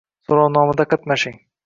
Soʻrovnomada qatnashing.